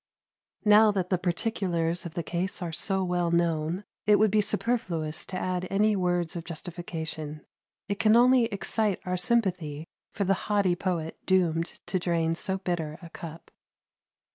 Now that the particulars of the case are so well known, it would be superfluous to add any words of justification; it can only excite our sympathy for the haughty poet doomed to drain so bitter a cup.